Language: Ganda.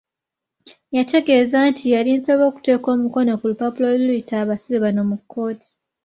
Yategeeza nti yali ensobi okuteeka omukono ku lupapula oluyita abasibe bano mu kkooti.